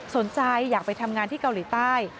สนใจอยากไปทำงานที่เกาหลีใต้